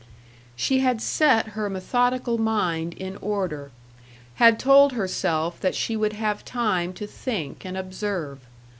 She had set her methodical mind in order; had told herself that she would have time to think and observe.